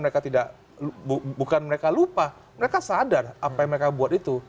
mereka tidak bukan mereka lupa mereka sadar apa yang mereka buat itu